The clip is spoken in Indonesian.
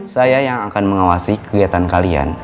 saya yang akan mengawasi kegiatan kalian